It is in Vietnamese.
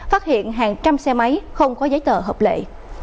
phát hiện hàng trăm xe máy không có giấy tờ hợp lệ